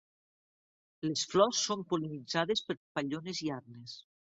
Les flors són pol·linitzades per papallones i arnes.